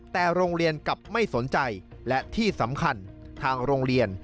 แต่โรงเรียนกลับไม่สนใจและที่สำคัญทางโรงเรียน